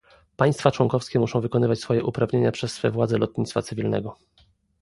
Państwa członkowskie muszą wykonywać swoje uprawnienia przez swe władze lotnictwa cywilnego